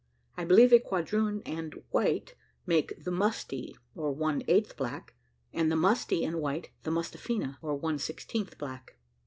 I believe a quadroon and white make the mustee or one eighth black, and the mustee and white the mustafina, or one sixteenth black.